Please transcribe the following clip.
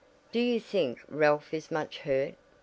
"Do you think Ralph is much hurt?"